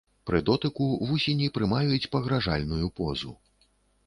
Пры дотыку вусені прымаюць пагражальную позу.